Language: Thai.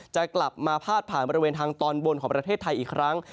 จะกลับมาพาดผ่านบริเวณทางตอนบนของประเทศไทยอีกครั้ง